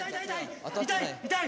痛い痛い！